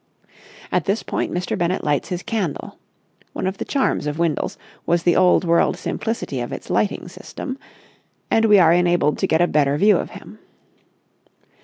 At this point Mr. Bennett lights his candle—one of the charms of Windles was the old world simplicity of its lighting system—and we are enabled to get a better view of him.